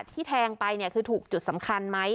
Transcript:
ที่แทงไปเนี่ยคือถูกจุดสำคัญไหม